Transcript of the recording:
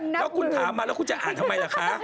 แล้วคุณถามมาแล้วคุณจะอ่านทำไมล่ะคะ